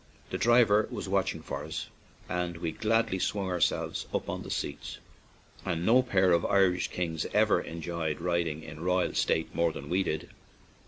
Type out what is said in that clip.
The driver was watching for us, and we gladly swung ourselves up on the seats; and no pair of Irish kings ever enjoyed rid ing in royal state more than we did.